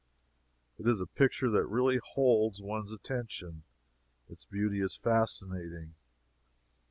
It is a picture that really holds one's attention; its beauty is fascinating.